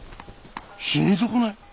死に損ない？